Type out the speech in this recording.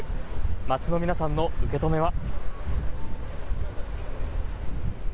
街の皆さんの受け止めは。